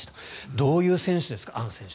どういう選手ですか？